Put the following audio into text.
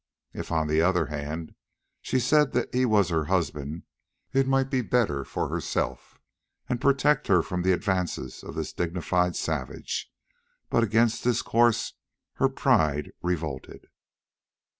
If, on the other hand, she said that he was her husband, it might be better for herself, and protect her from the advances of this dignified savage; but against this course her pride revolted.